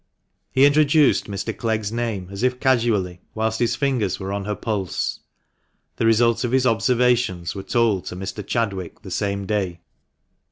He introduced Mr. Clegg's name, as if casually, whilst his ringers were on her pulse. The result of his observations were told to Mr. Chadwick the same day.